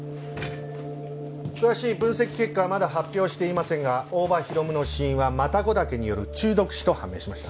詳しい分析結果はまだ発表していませんが大庭広夢の死因はマタゴダケによる中毒死と判明しました。